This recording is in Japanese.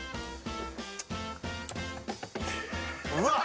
うわっ！